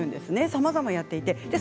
さまざまやっています。